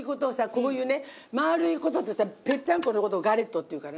こういうね丸い事とぺっちゃんこの事をガレットっていうからね。